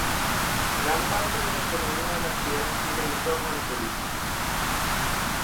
Gran parte de la economía de la ciudad gira en torno al turismo.